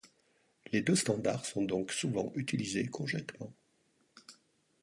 Les deux standards sont donc souvent utilisés conjointement.